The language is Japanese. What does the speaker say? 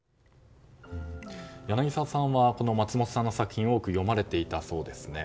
柳澤さんは松本さんの作品を多く読まれていたそうですね。